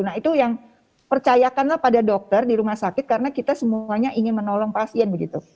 nah itu yang percayakanlah pada dokter di rumah sakit karena kita semuanya ingin menolong pasien begitu